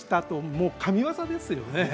もう神業ですよね。